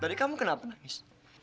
dari kamu kenapa nangis